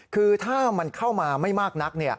คือถ้ามันเข้ามาไม่มากนัก